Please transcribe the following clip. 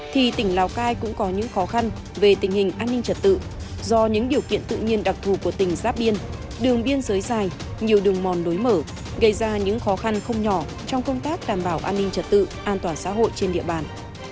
thì tỉnh lào cai cũng có những khó khăn về tình hình an ninh trật tự do những điều kiện tự nhiên đặc thù của tỉnh giáp biên đường biên giới dài nhiều đường mòn lối mở gây ra những khó khăn không nhỏ trong công tác đảm bảo an ninh trật tự an toàn xã hội trên địa bàn